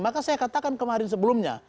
maka saya katakan kemarin sebelumnya